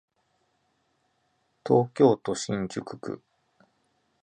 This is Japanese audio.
東京都新宿区